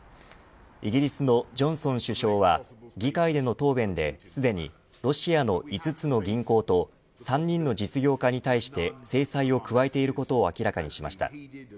イギリスのジョンソン首相は議会での答弁ですでにロシアの５つの銀行と３人の実業家に対して制裁を加えていることを明らかにしました。